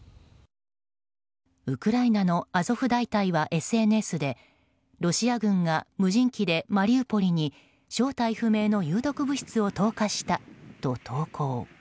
ウクライナのアゾフ大隊はＳＮＳでロシア軍が無人機でマリウポリに正体不明の有毒物質を投下したと投稿。